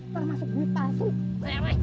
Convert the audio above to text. beres bos dijamin bangun perut